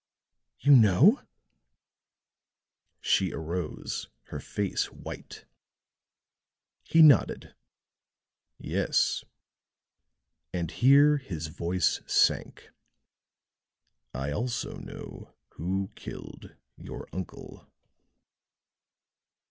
"You know?" She arose, her face white. He nodded. "Yes;" and here his voice sank. "I also know who killed your uncle."